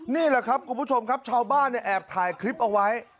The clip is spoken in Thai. นี่แหละครับคุณผู้ชมครับชาวบ้านเนี่ยแอบถ่ายคลิปเอาไว้